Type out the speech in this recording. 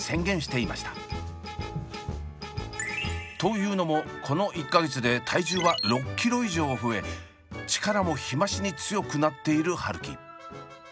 というのもこの１か月で体重は６ｋｇ以上増え力も日増しに強くなっている春輝。